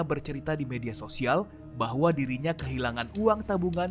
bercerita di media sosial bahwa dirinya kehilangan uang tabungan